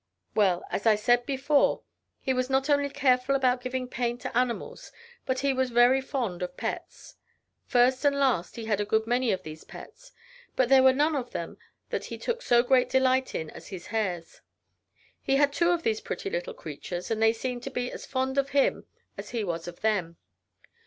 Well, as I said before, he was not only careful about giving pain to animals, but he was very fond of pets. First and last, he had a good many of these pets. But there were none of them that he took so great delight in as his hares. He had two of these pretty little creatures, and they seemed to be as fond of him as he was of them.